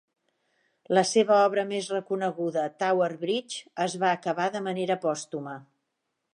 La seva obra més reconeguda, Tower Bridge, es va acabar de manera pòstuma.